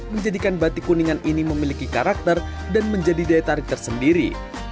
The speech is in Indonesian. menjadikan batik kuningan ini memiliki karakter dan menjadi daya tarik tersendiri